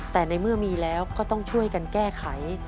แต่ในเมื่อมีแล้วก็ต้องช่วยกันแก้ไข